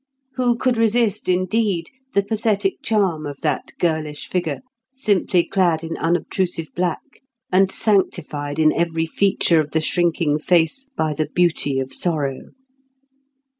Who could resist, indeed, the pathetic charm of that girlish figure, simply clad in unobtrusive black, and sanctified in every feature of the shrinking face by the beauty of sorrow?